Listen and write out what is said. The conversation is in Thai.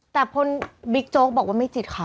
แต่พลบิ๊กโจ๊กบอกว่าไม่จิตค่ะ